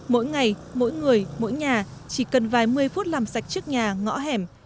mỗi ngày mỗi người mỗi nhà chỉ cần vài một mươi phút làm sạch trước nhà ngõ hẻm